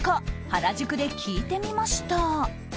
原宿で聞いてみました。